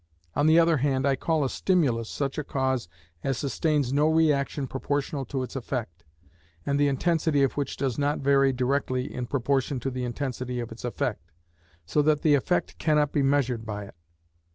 On the other hand, I call a stimulus, such a cause as sustains no reaction proportional to its effect, and the intensity of which does not vary directly in proportion to the intensity of its effect, so that the effect cannot be measured by it.